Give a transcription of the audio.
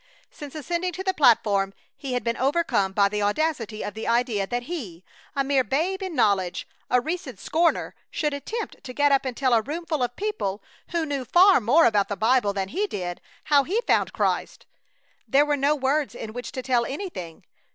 Since ascending to the platform he had been overcome by the audacity of the idea that he, a mere babe in knowledge, a recent scorner, should attempt to get up and tell a roomful of people, who knew far more about the Bible than he did, how he found Christ. There were no words in which to tell anything!